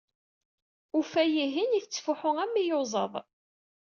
Ufay ihin ittefuḥu am iyuzaḍ.